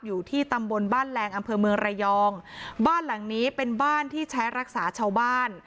อยู่ที่ตำบลบ้านแรงอำเภอเมืองระยองบ้านหลังนี้เป็นบ้านที่ใช้รักษาชาวบ้าน